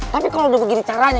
tapi kalau udah begini caranya